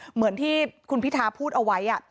เหมือนที่คุณพิทาพูดเอาไว้